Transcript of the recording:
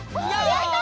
やった！